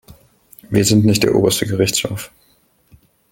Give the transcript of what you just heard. Wir sind nicht der Oberste Gerichtshof.